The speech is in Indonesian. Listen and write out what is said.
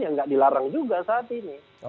ya tidak dilarang juga saat ini